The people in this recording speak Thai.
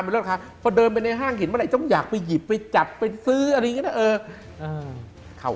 ผมเดินไปในห้างหินเวลาอยากไปหยิบไปจับไปซื้ออะไรเค้า